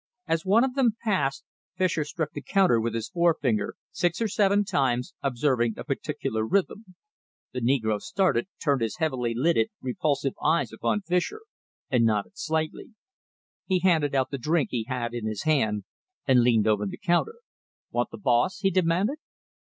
As one of them passed, Fischer struck the counter with his forefinger, six or seven times, observing a particular rhythm. The negro started, turned his heavily lidded, repulsive eyes upon Fischer, and nodded slightly. He handed out the drink he had in his hand, and leaned over the counter. "Want the boss?" he demanded.